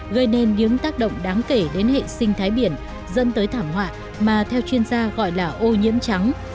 gây nên những tác động đáng kể đến hệ sinh thái biển dẫn tới thảm họa mà theo chuyên gia gọi là ô nhiễm trắng